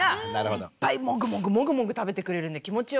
いっぱいもぐもぐもぐもぐ食べてくれるんで気持ちよくて。